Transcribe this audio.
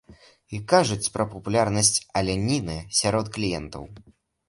І кажуць пра папулярнасць аленіны сярод кліентаў.